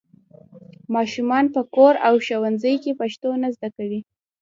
ماشومان په کور او ښوونځي کې پښتو نه زده کوي.